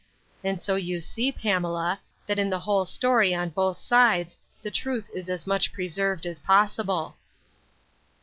And so you see, Pamela, that in the whole story on both sides, the truth is as much preserved as possible.